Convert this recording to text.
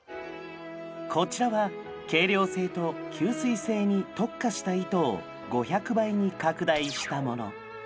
こちらは軽量性と吸水性に特化した糸を５００倍に拡大したもの。